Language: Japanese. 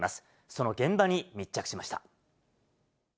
その現場に密着しました。